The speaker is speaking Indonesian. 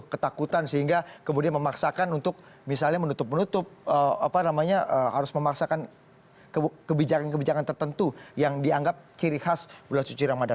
ketakutan sehingga kemudian memaksakan untuk misalnya menutup menutup harus memaksakan kebijakan kebijakan tertentu yang dianggap ciri khas bulan suci ramadan